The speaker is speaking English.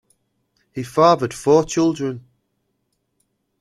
He fathered four children.